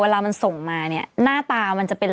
เวลามันส่งมาเนี่ยหน้าตามันจะเป็น